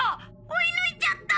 追い抜いちゃった！